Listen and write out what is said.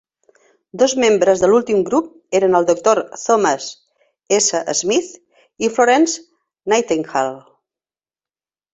Dos membres de l'últim grup eren el doctor Thomas S. Smith i Florence Nightingale.